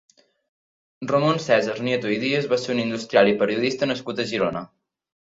Ramon Cèsar Nieto i Díez va ser un industrial i periodista nascut a Girona.